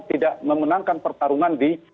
tidak memenangkan pertarungan di